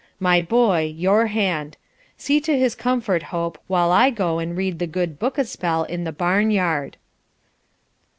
My boy, your hand. See to his comfort, Hope, while I go and read the Good Book a spell in the barnyard."